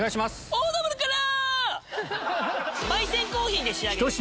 オードブルから！